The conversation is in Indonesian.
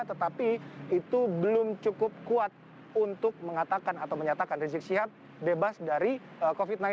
tetapi itu belum cukup kuat untuk mengatakan atau menyatakan rizik syihab bebas dari covid sembilan belas